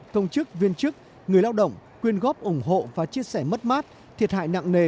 công chức viên chức người lao động quyên góp ủng hộ và chia sẻ mất mát thiệt hại nặng nề